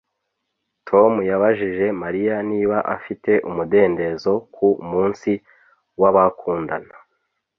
Tom yabajije Mariya niba afite umudendezo ku munsi wabakundana